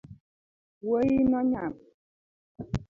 Wuoino nyap